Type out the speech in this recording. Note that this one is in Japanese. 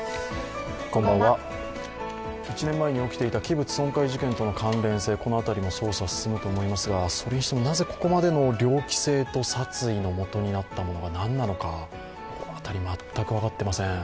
１年前に起きていた器物損壊事件との関連性、この辺りも捜査が進むと思いますが、それにしてもなぜここまでの猟奇性と殺意のもとになったのが何なのかこの辺り、全く分かっていません。